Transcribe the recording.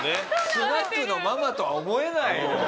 スナックのママとは思えないよ。